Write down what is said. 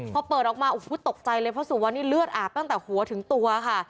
พอเปิดออกมาโอ้โหตกใจเลยเพราะสุวรรณีเลือดอาบตั้งแต่หัวถึงตัวค่ะ